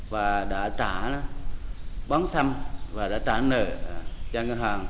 và đã trả bóng sâm và đã trả nợ cho ngân hàng